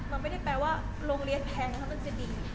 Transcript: มันไม่ได้แปลว่าโรงเรียนแพงแล้วมันจะดี